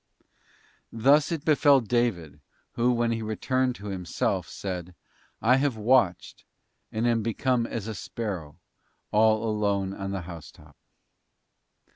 Thus it befell David, who, when he returned to himself, said, 'I have watched, and am become as a sparrow, all alone on the housetop.